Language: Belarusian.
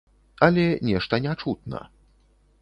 Але нешта не чутна.